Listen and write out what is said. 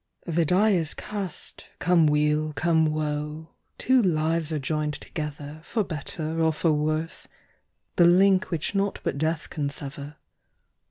The die is cast, come weal, come woe, Two lives are joined together, For better or for worse, the link Which naught but death can sever.